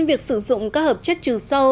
việc sử dụng các hợp chất trừ sâu